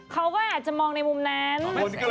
เค้าอาจอาจจะมองในภูมินั้น